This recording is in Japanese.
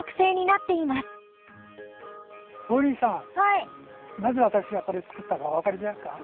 なぜ私がこれ作ったかお分かりですか？